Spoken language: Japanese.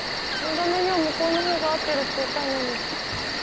だめには向こうのほうが合ってるって言ったのに。